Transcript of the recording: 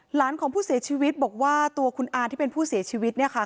หลานของผู้เสียชีวิตบอกว่าตัวคุณอาที่เป็นผู้เสียชีวิตเนี่ยค่ะ